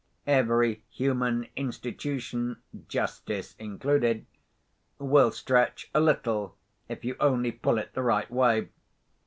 Every human institution (justice included) will stretch a little, if you only pull it the right way.